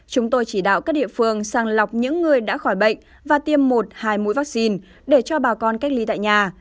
chúng tôi chỉ đạo các địa phương sàng lọc những người đã khỏi bệnh và tiêm một hai mũi vaccine để cho bà con cách ly tại nhà